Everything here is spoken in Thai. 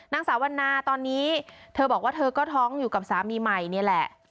นางสาววันนาตอนนี้เธอบอกว่าเธอก็ท้องอยู่กับสามีใหม่นี่แหละ